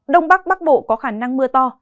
đông bắc bắc bộ có khả năng mưa to